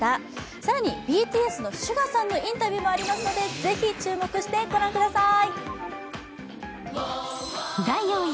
更にＢＴＳのＳＵＧＡさんのインタビューもありますので注目してください。